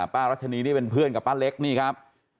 รัชนีนี่เป็นเพื่อนกับป้าเล็กนี่ครับ